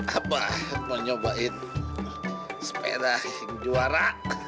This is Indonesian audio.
apa mau nyobain sepeda juara